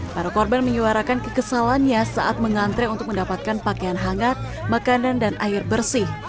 para korban menyuarakan kekesalannya saat mengantre untuk mendapatkan pakaian hangat makanan dan air bersih